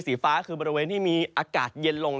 สีฟ้าคือบริเวณที่มีอากาศเย็นลง